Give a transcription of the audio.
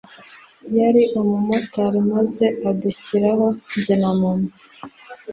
yari umumotari maze adushyiraho njye na mama